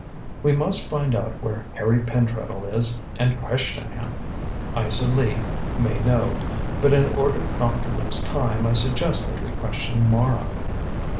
"We must find out where Harry Pentreddle is and question him. Isa Lee may know, but in order not to lose time, I suggest that we question Mara."